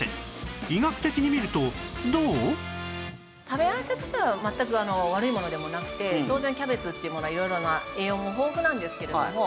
食べ合わせとしては全く悪いものでもなくて当然キャベツというものは色々な栄養も豊富なんですけれども。